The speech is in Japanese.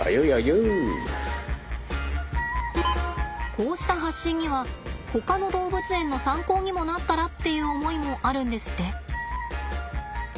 こうした発信にはほかの動物園の参考にもなったらっていう思いもあるんですって。